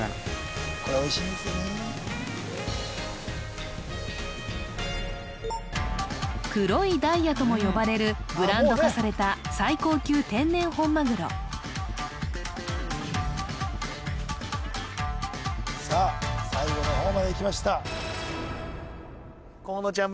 これおいしいんですよね黒いダイヤとも呼ばれるブランド化された最高級天然本マグロさあ最後の方までいきました河野ちゃん